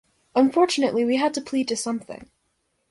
Unfortunately we had to plead to something.